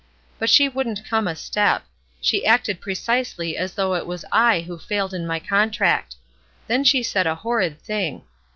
But she wouldn't come a step; she acted pre cisely as though it was I who had failed in my contract. Then she said a horrid thing.